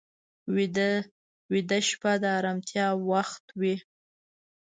ویده شپه د ارامتیا وخت وي